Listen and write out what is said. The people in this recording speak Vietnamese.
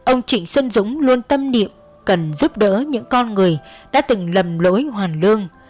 ông trịnh xuân dũng luôn tâm niệm cần giúp đỡ những con người đã từng lầm lỗi hoàn lương